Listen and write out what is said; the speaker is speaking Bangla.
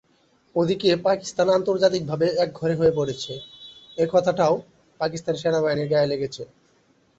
ওদিকে পাকিস্তান আন্তর্জাতিকভাবে একঘরে হয়ে পড়ছে—এ কথাটাও পাকিস্তান সেনাবাহিনীর গায়ে লেগেছে।